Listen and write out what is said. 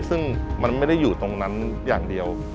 ซึ่งมันไม่ได้อยู่ตรงนั้นอย่างเดียว